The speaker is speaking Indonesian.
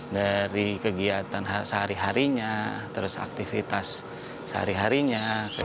dari kegiatan sehari harinya terus aktivitas sehari harinya